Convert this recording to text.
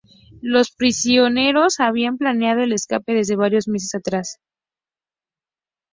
Los prisioneros habían planeado el escape desde varios meses atrás.